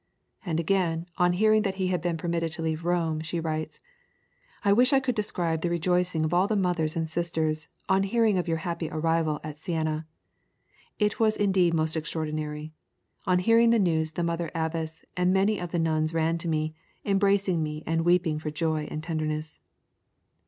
And again, on hearing that he had been permitted to leave Rome, she writes "I wish I could describe the rejoicing of all the mothers and sisters on hearing of your happy arrival at Siena. It was indeed most extraordinary. On hearing the news the Mother Abbess and many of the nuns ran to me, embracing me and weeping for joy and tenderness."